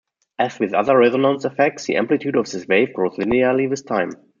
As with other resonance effects, the amplitude of this wave grows linearly with time.